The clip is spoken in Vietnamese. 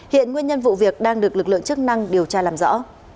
hiện nguyên nhân vụ việc đang được lực lượng chức năng điều tra làm rõ